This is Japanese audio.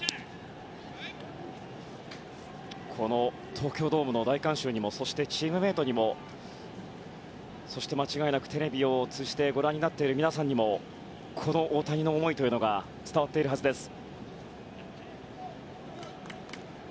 東京ドームの大観衆にもチームメートにもそして、間違いなくテレビを通じてご覧になっている皆さんにも大谷の思いが伝わっているはずです。